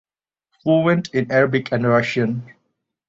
Fluent in Arabic and Russian.